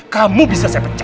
kamu bisa saya pecah